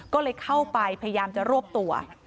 ก็เลยเข้าไปพยายามจะรวบตัว